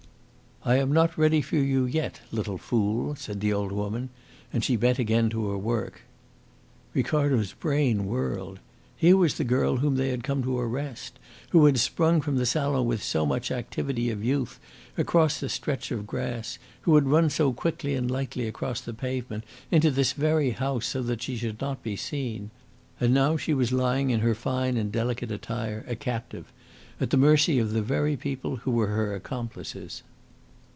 "I am not ready for you yet, little fool," said the old woman, and she bent again to her work. Ricardo's brain whirled. Here was the girl whom they had come to arrest, who had sprung from the salon with so much activity of youth across the stretch of grass, who had run so quickly and lightly across the pavement into this very house, so that she should not be seen. And now she was lying in her fine and delicate attire a captive, at the mercy of the very people who were her accomplices.